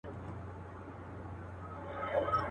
اوس به دي څنګه پر ګودر باندي په غلا ووینم.